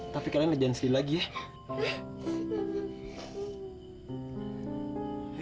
tapi kalian gak janji diri lagi ya